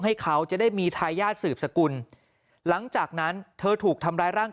ให้เขาจะได้มีทายาทสืบสกุลหลังจากนั้นเธอถูกทำร้ายร่าง